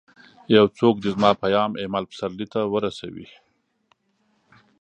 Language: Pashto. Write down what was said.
یو څوک دي زما پیغام اېمل پسرلي ته ورسوي!